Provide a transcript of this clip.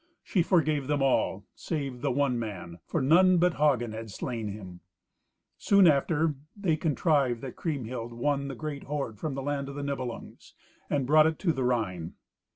She forgave them all, save the one man, for none but Hagen had slain him. Soon after, they contrived that Kriemhild won the great hoard from the land of the Nibelungs, and brought it to the Rhine.